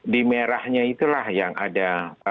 di merahnya itulah yang ada